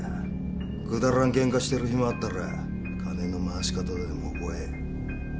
くだらんケンカしてる暇あったら金の回し方でも覚え。